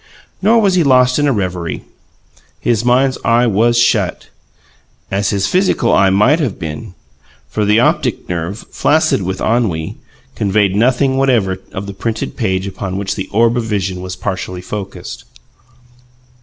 Nor was he lost in a reverie: his mind's eye was shut, as his physical eye might well have been, for the optic nerve, flaccid with ennui, conveyed nothing whatever of the printed page upon which the orb of vision was partially focused.